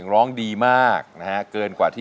ร้องได้ให้ร้าน